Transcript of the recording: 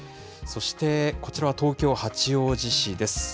そしてこちらは東京・八王子市です。